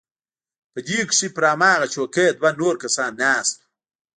په دې کښې پر هماغه چوکۍ دوه نور کسان ناست وو.